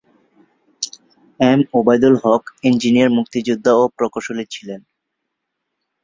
M Obaidul Haque engineer মুক্তিযোদ্ধা ও প্রকৌশলী ছিলেন।